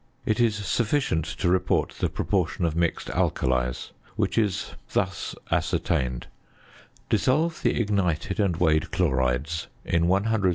It is sufficient to report the proportion of mixed alkalies; which is thus ascertained: Dissolve the ignited and weighed chlorides in 100 c.c.